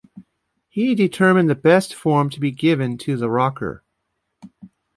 He determined the best form to be given to the rocker.